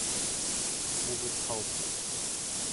Moritz Haupt